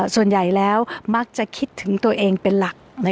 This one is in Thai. ส่วนใหญ่แล้วมักจะคิดถึงตัวเองเป็นหลัก